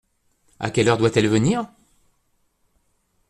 À quelle heure doit-elle venir ?